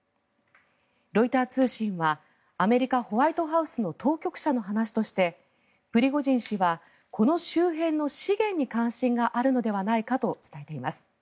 ロイター通信はアメリカホワイトハウスの当局者の話としてプリゴジン氏はこの周辺の資源に関心があるのではないかと伝えています。